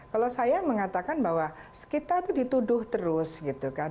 kalau saya mengatakan bahwa kita itu dituduh terus gitu kan